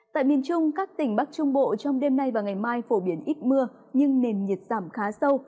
tại miền trung các tỉnh bắc trung bộ trong đêm nay và ngày mai phổ biến ít mưa nhưng nền nhiệt giảm khá sâu